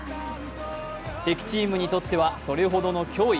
敵チームにとっては、それほどの脅威。